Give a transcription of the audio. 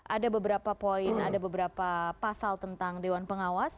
ada beberapa poin ada beberapa pasal tentang dewan pengawas